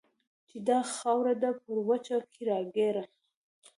چې دا خاوره ده پر وچه کې راګېره